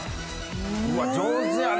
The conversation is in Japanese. うわ上手やな。